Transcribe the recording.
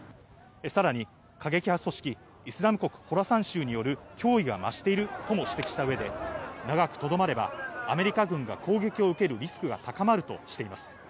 さらに過激派組織イスラム国ホラサン州による脅威が増しているとも指摘した上で長くとどまれば、アメリカ軍が攻撃を受けるリスクが高まるとしています。